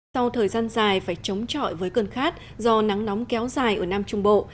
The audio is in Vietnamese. sau thời gian dài phải chống chọi với cơn khát do nắng nóng kéo dài ở nam trung bộ